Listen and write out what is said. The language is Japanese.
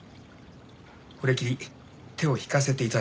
これきり手を引かせて頂こうかと。